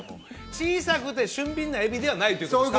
小さくて俊敏なエビではないっていうことですか？